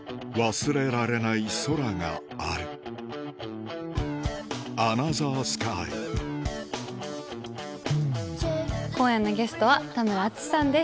忘れられない空がある今夜のゲストは田村淳さんです。